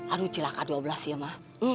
aduh celaka dua belas ya mak